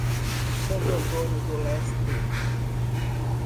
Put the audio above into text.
Santo Antônio do Leste